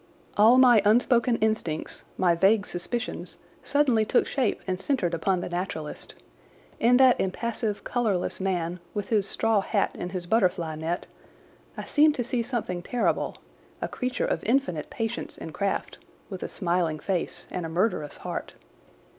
All my unspoken instincts, my vague suspicions, suddenly took shape and centred upon the naturalist. In that impassive colourless man, with his straw hat and his butterfly net, I seemed to see something terrible—a creature of infinite patience and craft, with a smiling face and a murderous heart.